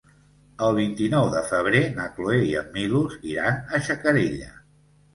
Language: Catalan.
El vint-i-nou de febrer na Cloè i en Milos iran a Xacarella.